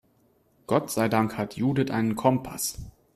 Gott sei Dank hat Judith einen Kompass.